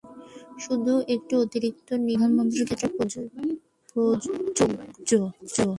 শুধু একটি অতিরিক্ত নিয়ম প্রধানমন্ত্রীর ক্ষেত্রে প্রযোজ্য।